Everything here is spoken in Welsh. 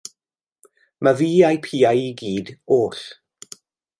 Myfi a'i piau i gyd oll.